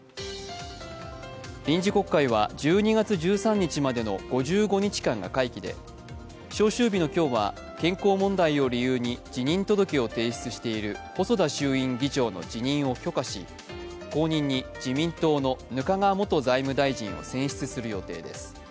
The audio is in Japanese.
臨時国会は１２月１３日までの５５日間が会期で召集日の今日は健康問題を理由に辞任願を提出している細田衆院議長の辞任を許可し、後任に自民党の額賀元財務大臣を選出する予定です。